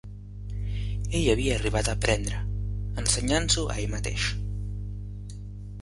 Ell havia arribat a aprendre, ensenyat-s'ho a ell mateix